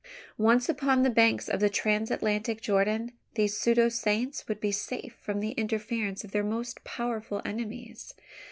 Once upon the banks of the Transatlantic Jordan, these pseudo saints would be safe from the interference of their most powerful enemies.